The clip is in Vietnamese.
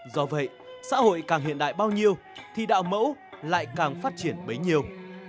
do vậy xã hội càng hiện đại bao nhiêu thì đạo mẫu lại càng phát triển bấy nhiêu